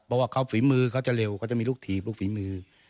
เพราะว่าเขาฝีมือเขาจะเร็วเขาจะมีลูกถีบลูกฝีมือ